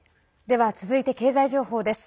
では続いて経済情報です。